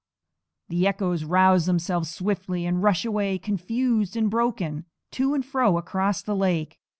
_ The echoes rouse themselves swiftly, and rush away confused and broken, to and fro across the lake.